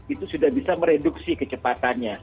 itu sudah bisa mereduksi kecepatannya